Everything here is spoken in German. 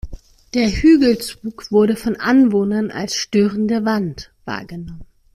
Der Hügelzug wurde von Anwohnern als «störende Wand» wahrgenommen.